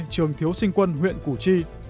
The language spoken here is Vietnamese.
trường thiếu sinh quân huyện củ chi